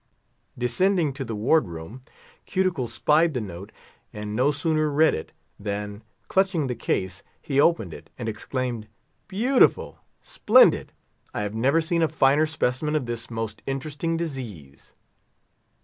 Descending to the ward room, Cuticle spied the note, and no sooner read it, than, clutching the case, he opened it, and exclaimed, "Beautiful! splendid! I have never seen a finer specimen of this most interesting disease."